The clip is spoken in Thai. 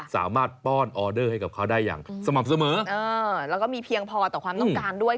ป้อนออเดอร์ให้กับเขาได้อย่างสม่ำเสมอแล้วก็มีเพียงพอต่อความต้องการด้วย